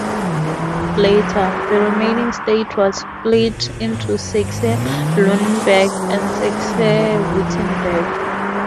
Later, the remaining state was split into Saxe-Lauenburg and Saxe-Wittenberg.